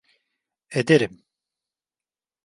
Ederim.